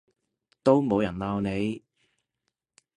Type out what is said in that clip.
都冇人鬧你